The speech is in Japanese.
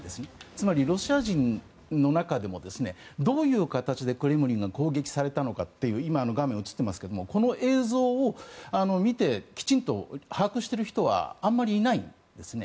つまり、ロシア人の中でもどういう形でクレムリンが攻撃されたのかという今、画面が映ってますがこの映像を見てきちんと把握している人はあまりいないんですね。